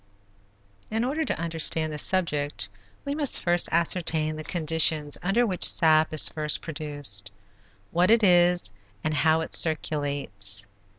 In order to understand this subject we must first ascertain the conditions under which sap is first produced, what it is, and how it circulates.